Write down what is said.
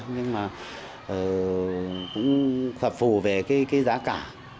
nhưng mà cũng phạp phù về cái giá cả